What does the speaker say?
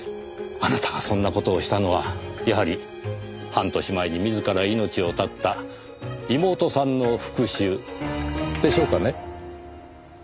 あなたがそんな事をしたのはやはり半年前に自ら命を絶った妹さんの復讐でしょうかね？